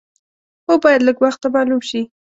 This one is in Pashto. هو باید لږ وخته معلوم شي.